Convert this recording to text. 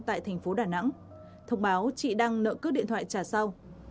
của thành phố đà nẵng thông báo chị đang nợ cước điện thoại trả sau